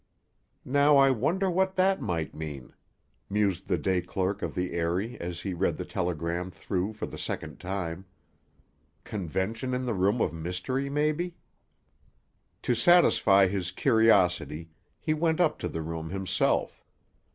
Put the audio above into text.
_" "Now I wonder what that might mean?" mused the day clerk of the Eyrie, as he read the telegram through for the second time. "Convention in the Room of Mystery, maybe?" To satisfy his curiosity he went up to the room himself.